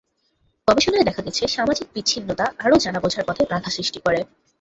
গবেষণায় দেখা গেছে, সামাজিক বিচ্ছিন্নতা আরও জানা-বোঝার পথে বাধা সৃষ্টি করে।